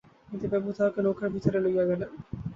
মতিবাবু তাহাকে নৌকার ভিতরে লইয়া গেলেন।